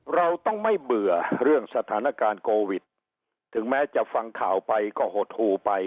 เราต้องไม่เบื่อเรื่องสถานการณ์โควิดถึงแม้จะฟังข่าวไปก็หดหูไป